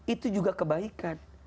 itu juga kebaikan